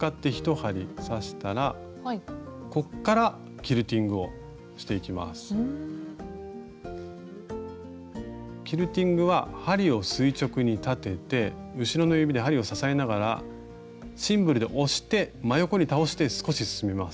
キルティングは針を垂直に立てて後ろの指で針を支えながらシンブルで押して真横に倒して少し進みます。